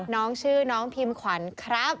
น้องชื่อน้องพิมขวัญครับ